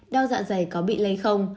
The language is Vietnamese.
đau dạ dày có bị lây không